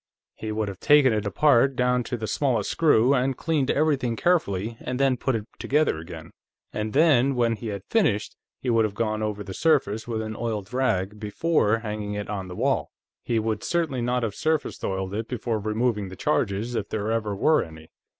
He would have taken it apart, down to the smallest screw, and cleaned everything carefully, and then put it together again, and then, when he had finished, he would have gone over the surface with an oiled rag, before hanging it on the wall. He would certainly not have surface oiled it before removing the charges, if there ever were any.